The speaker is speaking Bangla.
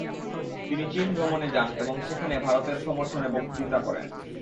তিনি চীন ভ্রমণে যান এবং সেখানে ভারতের সমর্থনে বক্তৃতা করেন।